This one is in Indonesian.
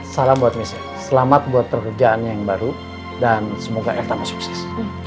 salam buat mise selamat buat pekerjaannya yang baru dan semoga ertama sukses